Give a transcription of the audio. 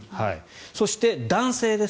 そして男性です。